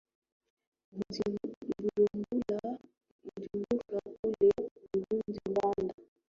bujumbura kule burundi rwanda